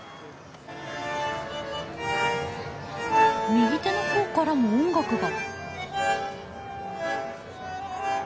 右手の方からも音楽が。